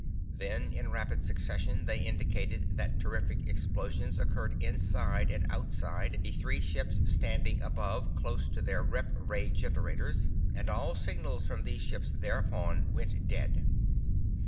Then in rapid succession they indicate that terrific explosions occurred inside and outside the three ships standing above close to their rep ray generators, and all signals from these ships thereupon went dead.